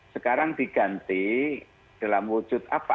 sekarang diganti dalam wujud apa